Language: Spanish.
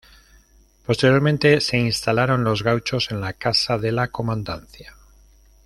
Posteriormente se instalaron los gauchos en la casa de la comandancia.